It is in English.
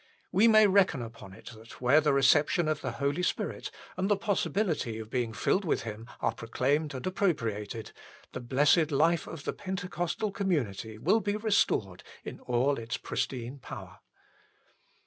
We may reckon upon it that where the reception of the Holy Spirit and the possibility of being filled with Him are proclaimed and appropriated, the blessed life of the Pentecostal community will be restored in all its pristine power.